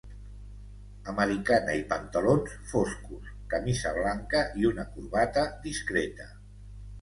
Americana i pantalons foscos, camisa blanca i una corbata discreta.